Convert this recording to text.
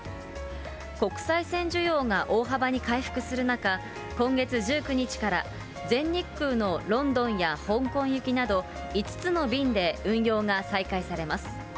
国際線需要が大幅に回復する中、今月１９日から全日空のロンドンや香港行きなど、５つの便で運用が再開されます。